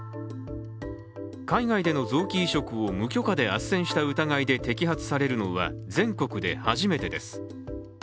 海外での臓器移植を無許可であっせんした疑いで摘発されるのは全国で初めてです。